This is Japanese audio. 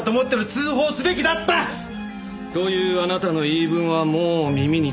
通報すべきだった！というあなたの言い分はもう耳にタコ。